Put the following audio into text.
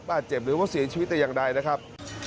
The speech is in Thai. บาดเจ็บหรือว่าเสียชีวิตแต่อย่างใดนะครับ